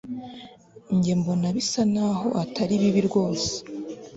Njye mbona bisa naho atari bibi rwose